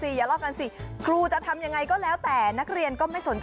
เออเออเออเออเออเออเออเออเออเออเออเออเออเออเออเออเออเออ